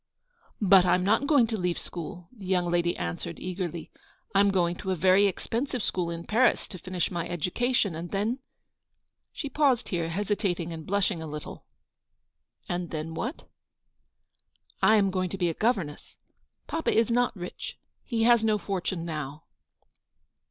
" But I'm not going to leave school/' the young lady answered, eagerly. " I am going to a very expensive school in Paris, to finish my education ; and then —" She paused here, hesitating and blushing a little. "And then what?" u I am going to be a governess. Papa is not rich. He has no fortune now."